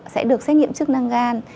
sẽ được xét nghiệm chức năng gan